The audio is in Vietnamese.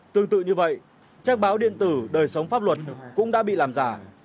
tương tự như vậy trang báo điện tử đời sống pháp luật cũng đã bị làm giả